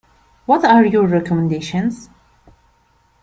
What are your recommendations?